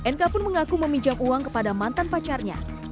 nk pun mengaku meminjam uang kepada mantan pacarnya